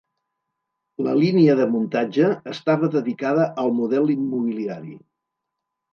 La línia de muntatge estava dedicada al model immobiliari.